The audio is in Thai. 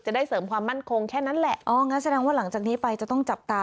ได้เสริมความมั่นคงแค่นั้นแหละอ๋องั้นแสดงว่าหลังจากนี้ไปจะต้องจับตา